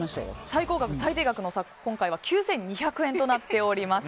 最高額、最低額の差が今回は９２００円となっています。